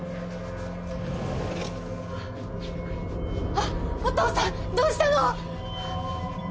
あっお父さんどうしたの！？